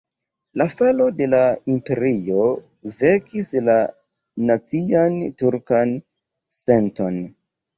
La falo de la imperio vekis la nacian turkan senton.